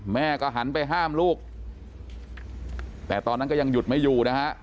แม่ก็หันไปห้ามลูกแต่ตอนนั้นก็ยังหยุดไม่อยู่นะฮะ